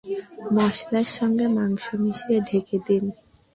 মসলার সঙ্গে মাংস মিশিয়ে ঢেকে দিন।